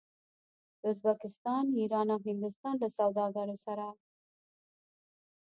د ازبکستان، ایران او هندوستان له سوداګرو سره